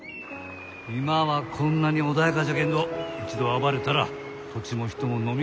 今はこんなに穏やかじゃけんど一度暴れたら土地も人ものみ込む。